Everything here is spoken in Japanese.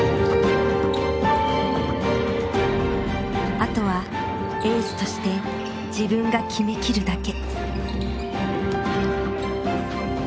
あとはエースとして自分が決めきるだけ。